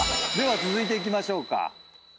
では続いていきましょうか。